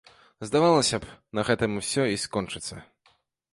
Здавалася б, на гэтым усё і закончыцца.